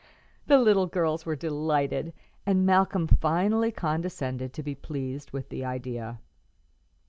The little girls were delighted, and Malcolm finally condescended to be pleased with the idea.